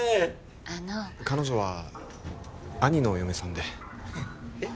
あの彼女は兄のお嫁さんでえっ？